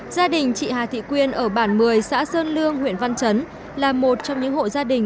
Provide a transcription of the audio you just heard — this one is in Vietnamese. gia đình chị hà thị quyên ở bản một mươi xã sơn lương huyện văn chấn là một trong những hộ gia đình